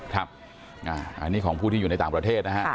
ครับอันนี้ของผู้ที่อยู่ในต่างประเทศนะฮะ